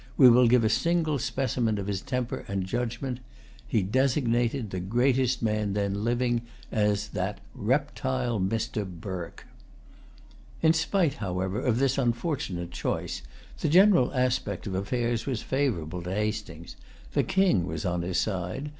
We will give a single specimen of his temper and judgment. He[Pg 207] designated the greatest man then living as "that reptile Mr. Burke." In spite, however, of this unfortunate choice, the general aspect of affairs was favorable to Hastings. The King was on his side.